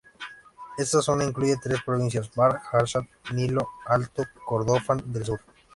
Esta zona incluye tres provincias: Bahr el Ghazal, Nilo Alto, y Kordofán del Sur.